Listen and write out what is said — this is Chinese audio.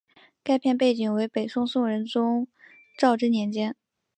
该片背景为北宋宋仁宗赵祯年间。